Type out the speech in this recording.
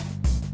tunggu nanti aja